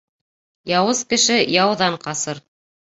Яуыз кеше яуҙан ҡасыр.